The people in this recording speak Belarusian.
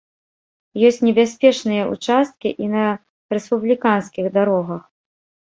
Ёсць небяспечныя ўчасткі і на рэспубліканскіх дарогах.